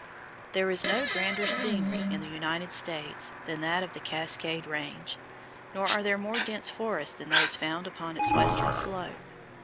There is no grander scenery in the United States than that of the Cascade Range; nor are there more dense forests than those found upon its western slope.